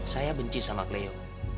saya benci sama cleo